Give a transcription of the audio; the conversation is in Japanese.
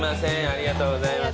ありがとうございます。